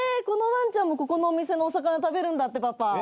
このワンちゃんもここのお店のお魚食べるんだって。